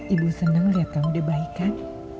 ibu seneng liat kamu deh baik kan